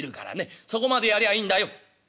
「そこまでやりゃあいいの？